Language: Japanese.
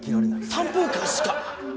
３分間しか？